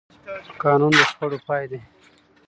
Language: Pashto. قانون د شخړو پای دی